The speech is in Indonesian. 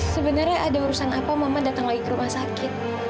sebenarnya ada urusan apa mama datang lagi ke rumah sakit